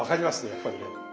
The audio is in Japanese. やっぱりね。